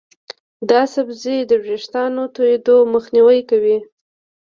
دا سبزی د ویښتانو تویېدو مخنیوی کوي.